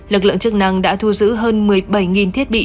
lực lượng chức năng đã thu giữ hơn một mươi bảy thiết bị